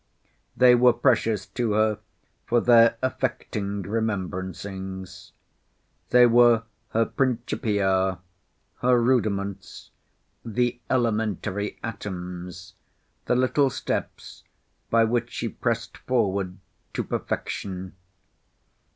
They were precious to her for their affecting remembrancings. They were her principia, her rudiments; the elementary atoms; the little steps by which she pressed forward to perfection.